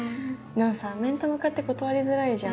でもさ面と向かって断りづらいじゃん。